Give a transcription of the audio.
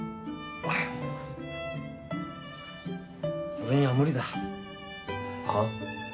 俺には無理だ。はあ？